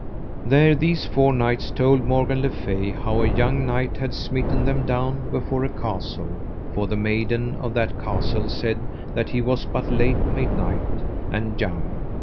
There these four knights told Morgan le Fay how a young knight had smitten them down before a castle. For the maiden of that castle said that he was but late made knight, and young.